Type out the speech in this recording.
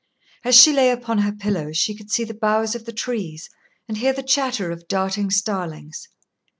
As she lay upon her pillow, she could see the boughs of the trees, and hear the chatter of darting starlings.